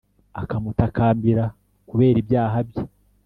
akamutakambira kubera ibyaha bye.